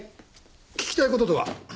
聞きたい事とは？